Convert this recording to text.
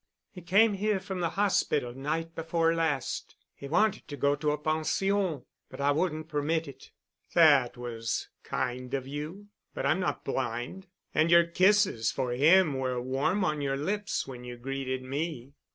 "He came here from the hospital night before last. He wanted to go to a pension but I would not permit it——" "That was kind of you. But I'm not blind. And your kisses for him were warm on your lips when you greeted me."